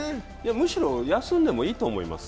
むしろ休んでもいいと思います。